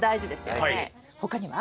他には？